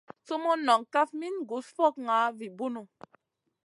Sumun non kaf min gus fokŋa vi bunu.